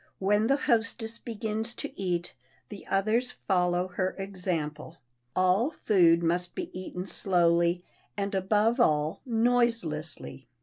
When the hostess begins to eat, the others follow her example. All food must be eaten slowly, and, above all, noiselessly.